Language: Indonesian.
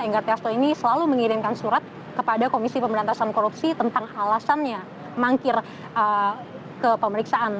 enggar tiasto ini selalu mengirimkan surat kepada komisi pemberantasan korupsi tentang alasannya mangkir ke pemeriksaan